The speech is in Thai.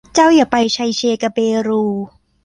เจ้าอย่าไปไชเชกะเปลู